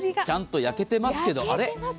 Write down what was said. ちゃんと焼けてますけどあれっ？